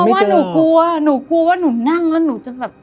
เพราะว่าหนูกลัวหนูกลัวว่าหนูนั่งแล้วหนูจะแบบ